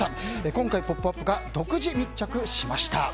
今回、「ポップＵＰ！」が独自密着しました。